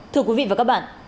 thưa quý vị và các bạn